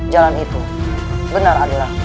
jalan itu benar adalah